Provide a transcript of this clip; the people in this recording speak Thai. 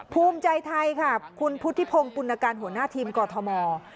ภูมิใจไทยค่ะคุณพุทธิพงศ์ปุณการหัวหน้าทีมกอทม